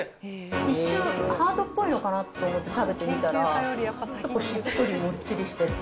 一瞬、ハードっぽいのかなと思って食べてみたら、結構しっとりもっちりしてて。